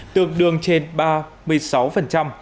tượng đường trên ba một mươi bốn tỷ usd